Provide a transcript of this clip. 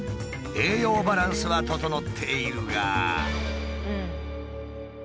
栄養バランスは整っているが。